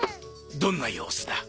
どんな様子だ？